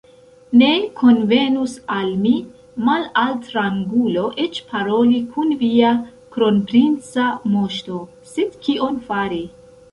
Ne konvenus al mi, malaltrangulo, eĉ paroli kun via kronprinca moŝto, sed kion fari?